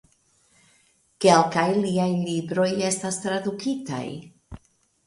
Kelkaj liaj libroj estas tradukitaj.